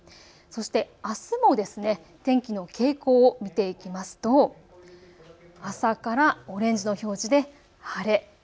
そしてあすも天気の傾向を見ていきますと朝からオレンジの表示で晴れ。